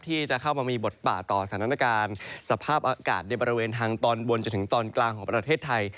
ที่จะเข้ามามีบทบาทต่อสถานการณ์สภาพอากาศในบริเวณทางตอนบนจนถึงตอนกลางของประเทศไทย